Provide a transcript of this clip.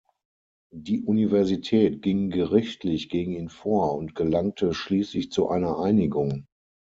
Die Universität ging gerichtlich gegen ihn vor und gelangte schließlich zu einer Einigung.